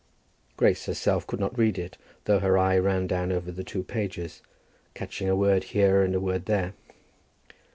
Grace herself could not read it, though her eye ran down over the two pages catching a word here and a word there.